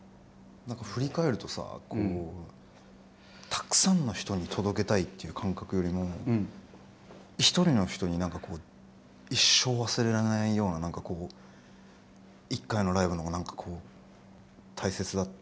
振り返るとさこうたくさんの人に届けたいっていう感覚よりも１人の人になんかこう一生忘れられないような１回のライブのほうがなんかこう大切にしてた。